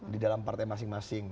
di dalam partai masing masing